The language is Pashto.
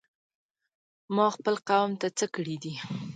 ما خپل قوم ته څه کړي دي؟!